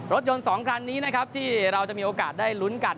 รถยนต์๒คันนี้นะครับที่เราจะมีโอกาสได้ลุ้นกัน